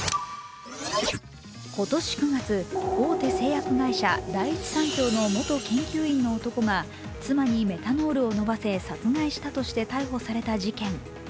今年９月、大手製薬会社第一三共の元研究員の男が妻にメタノールを飲ませ殺害したとして逮捕された事件。